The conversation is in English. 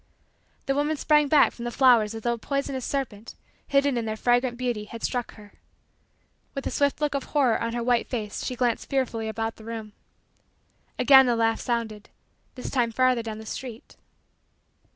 The woman sprang back from the flowers as though a poisonous serpent, hidden in their fragrant beauty, had struck her. With a swift look of horror on her white face she glanced fearfully about the room. Again the laugh sounded; this time farther down the street.